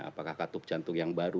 apakah katup jantung yang baru